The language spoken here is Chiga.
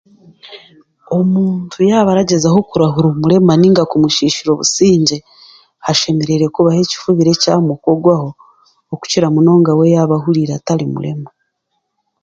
Omuntu yaaba aragyezaho kurahura omurema nainga kumusiisira obusingye, hashemereire kubaho ekifubiro ekyamukogwaho okukira munonga we yaaba ahuriire atari murema.